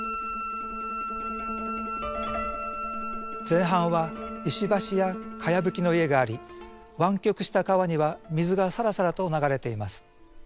前半は石橋やかやぶきの家があり湾曲した川には水がサラサラと流れています。